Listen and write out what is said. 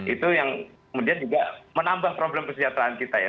itu yang kemudian juga menambah problem kesejahteraan kita ya